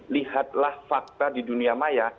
lihatlah fakta di dunia maya